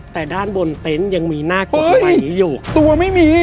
แต่ด้านบนเต็นต์ยังมีหน้ากฎหมายนี้อยู่ตัวไม่มี